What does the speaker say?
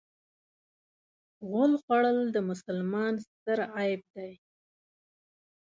غول خوړل د مسلمان ستر عیب دی.